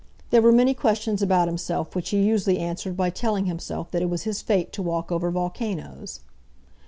There were many questions about himself which he usually answered by telling himself that it was his fate to walk over volcanoes.